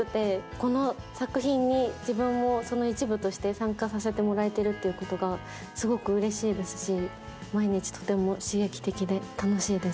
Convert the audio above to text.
この作品に自分もその一部として参加させてもらえてることがすごくうれしいですし、毎日とても刺激的で楽しいです。